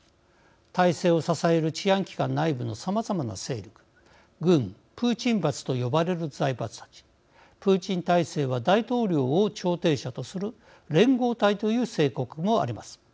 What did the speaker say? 体制を支える治安機関内部のさまざまな勢力、軍プーチン閥と呼ばれる財閥たちプーチン体制は大統領を調停者とする連合体という性格もあります。